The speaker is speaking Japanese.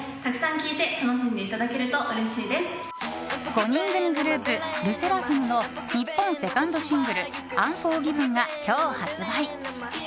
５人組グループＬＥＳＳＥＲＡＦＩＭの日本セカンドシングル「ＵＮＦＯＲＧＩＶＥＮ」が今日発売。